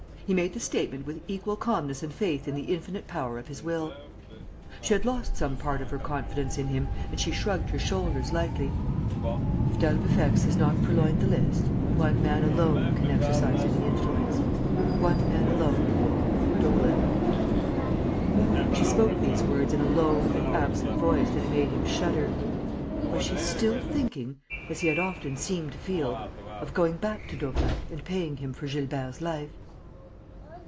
He made the statement with equal calmness and faith in the infinite power of his will. She had lost some part of her confidence in him and she shrugged her shoulders lightly: "If d'Albufex has not purloined the list, one man alone can exercise any influence; one man alone: Daubrecq." She spoke these words in a low and absent voice that made him shudder. Was she still thinking, as he had often seemed to feel, of going back to Daubrecq and paying him for Gilbert's life?